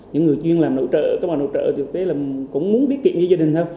những người chuyên làm nội trợ các bà nội trợ thực tế cũng muốn tiết kiệm cho gia đình thôi